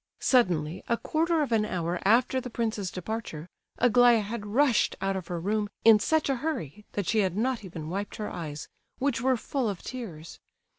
Suddenly, a quarter of an hour after the prince's departure, Aglaya had rushed out of her room in such a hurry that she had not even wiped her eyes, which were full of tears.